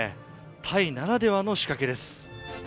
タイならではの仕掛けです。